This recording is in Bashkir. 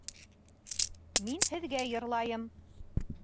Мин һеҙгә йырлайым